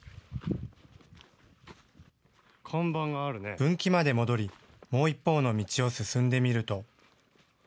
分岐まで戻り、もう一方の道を進んでみると。